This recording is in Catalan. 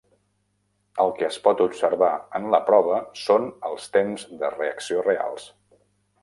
El que es pot observar en la prova són els temps de reacció reals.